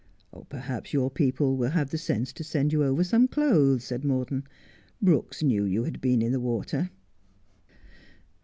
' Perhaps your people will have the sense to send you over some clothes,' said Morton. 'Brooks knew you had been in the water.'